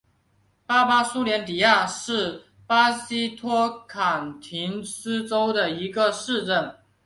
巴巴苏兰迪亚是巴西托坎廷斯州的一个市镇。